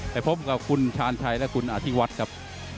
ไปพบกับคุณชาญชัยและคุณอธิวัฒน์ครับ